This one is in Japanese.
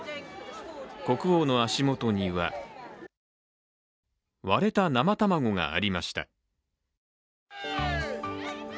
国王の足元には割れた生卵がありました。